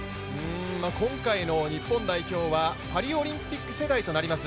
今回の日本代表はパリオリンピック世代となります。